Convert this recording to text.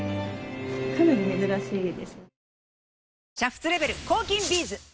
かなり珍しいです。